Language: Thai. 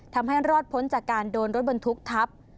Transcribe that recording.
ทำให้รอดพ้นจากการโดนรถบรรทุกทับ